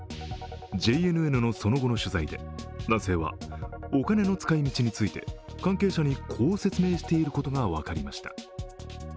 ＪＮＮのその後の取材で男性はお金の使い道について関係者に、こう説明していることが分かりました。